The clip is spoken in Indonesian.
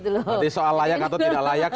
soal layak atau tidak layak